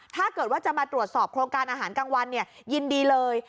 ถ้าเกิดว่าจะมาตรวจสอบโครงการอาหารกลางวันยินดีเลย